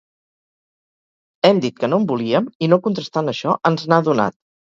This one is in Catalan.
Hem dit que no en volíem i, no contrastant això, ens n'ha donat.